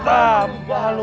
bua garba iksu